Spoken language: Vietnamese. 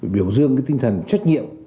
biểu dương tinh thần trách nhiệm